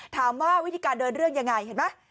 ถามว่าวิธีการเดินเรื่องยังไงเห็นไหม